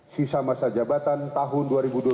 sisa masa jabatan tahun dua ribu dua belas dua ribu tujuh belas